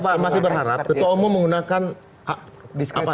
ketua umum menggunakan diskresinya